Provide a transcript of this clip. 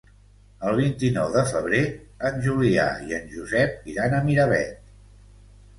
El vint-i-nou de febrer en Julià i en Josep iran a Miravet.